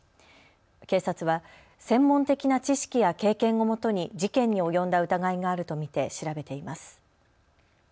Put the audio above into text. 警察は専門的な知識や経験をもとに事件に及んだ疑いがあると見て調べています。